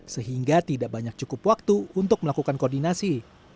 sehingga tidak banyak cukup waktu untuk melakukan koordinasi